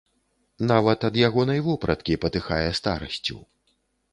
Нават ад ягонай вопраткі патыхае старасцю.